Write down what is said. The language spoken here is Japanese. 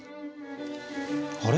あれ？